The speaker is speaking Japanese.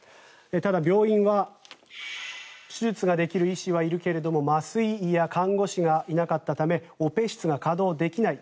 ただ、病院は手術ができる医師はいるけれども麻酔医や看護師がいなかったためオペ室が稼働できない。